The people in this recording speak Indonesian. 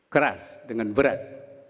keras dengan berat